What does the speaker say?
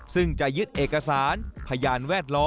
ซึ่งจะยึดเอกสารพยานแวดล้อม